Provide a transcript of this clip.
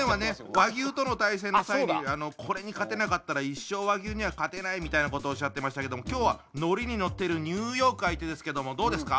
和牛との対戦の際にこれに勝てなかったら一生和牛には勝てないみたいなことおっしゃってましたけども今日は乗りに乗っているニューヨーク相手ですけどもどうですか？